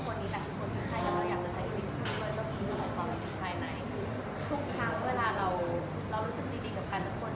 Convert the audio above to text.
คือทุกครั้งเวลาเรารู้สึกดีกับใครสักคนอื่น